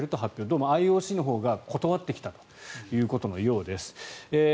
どうもＩＯＣのほうが断ってきたということのようです。